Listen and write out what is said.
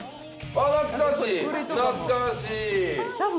あ懐かしい！